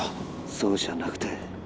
そうじゃなくて